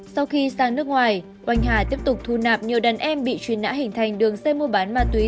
sau khi sang nước ngoài oanh hà tiếp tục thu nạp nhiều đàn em bị truy nã hình thành đường dây mua bán ma túy